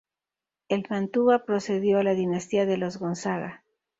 En Mantua precedió a la dinastía de los Gonzaga.